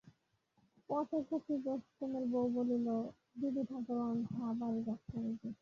পথে গোপী বোষ্টমের বৌ বলিল, দিদি ঠাকরুন, তা বাড়ি যাচ্ছ বুঝি?